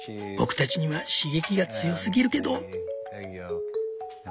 僕たちには刺激が強すぎるけど」。